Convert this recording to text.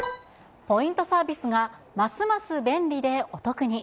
ポイントサービスがますます便利でお得に。